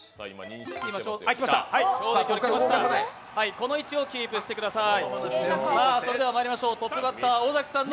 この位置をキープしてください。